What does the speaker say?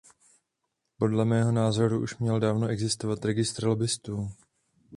Podle mého názoru už měl dávno existovat registr lobbistů.